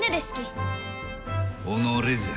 己じゃ。